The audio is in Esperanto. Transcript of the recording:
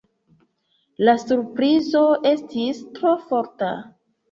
La surprizo estis tro forta.